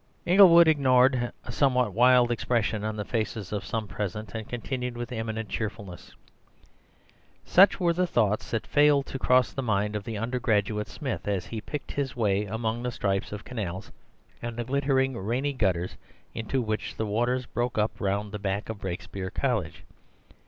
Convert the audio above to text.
Inglewood ignored a somewhat wild expression on the faces of some present, and continued with eminent cheerfulness:— "Such were the thoughts that failed to cross the mind of the undergraduate Smith as he picked his way among the stripes of canal and the glittering rainy gutters into which the water broke up round the back of Brakespeare College.